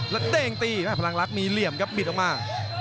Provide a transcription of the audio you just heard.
แล้วเด้งตีพลังลักษณ์มีเหลี่ยมครับบิดออกมา